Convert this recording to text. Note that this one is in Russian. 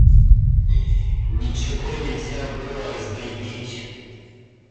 Ничего нельзя было разглядеть.